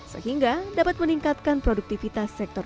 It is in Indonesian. sehingga dapat meningkatkan produktivitas sektor